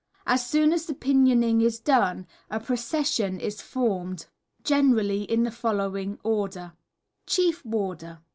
As soon as the pinioning is done, a procession is formed, generally in the following order: Chief Warder.